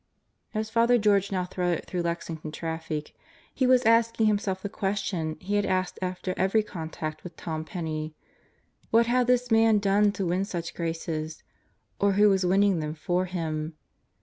..." As Father George now threaded through Lexington traffic he was asking himself the question he had asked after every contact with Tom Penney: What had this man done to win such graces or who was winning them for him?